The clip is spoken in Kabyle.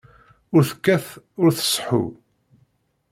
Ur tekkat ur tseḥḥu.